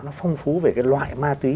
nó phong phú về cái loại ma túy